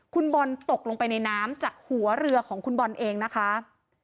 คุณบอลตกลงไปในน้ำจากหัวเรือของคุณบอลเองนะคะ